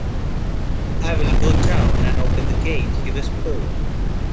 "I will go down and open the gate," he whispered.